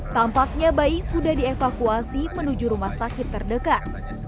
tampaknya bayi sudah dievakuasi menuju rumah sakit terdekat